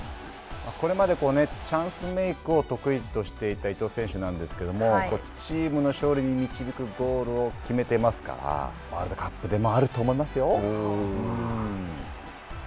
これまでチャンスメークを得意としていた伊東選手なんですけれども、チームの勝利に導くゴールを決めてますから、ワールドカップでもあると思いますよ。